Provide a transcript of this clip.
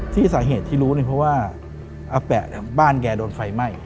ที่สาเหตุที่รู้นี่เพราะว่าเป๊ย์บ้านแกโดนไฟไหม้